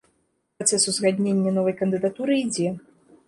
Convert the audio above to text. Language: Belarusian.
Працэс узгаднення новай кандыдатуры ідзе.